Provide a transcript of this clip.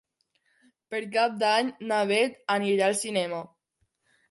Per Cap d'Any na Beth anirà al cinema.